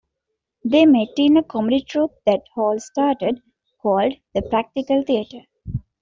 They met in a comedy troupe that Hall started, called "The Practical Theater".